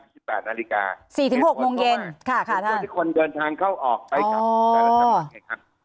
๔ถึง๖โมงเย็นทุกคนเดินทางเข้าออกไปกลับ